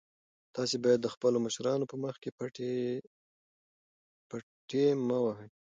تاسي باید د خپلو مشرانو په مخ کې پټې مه وهئ.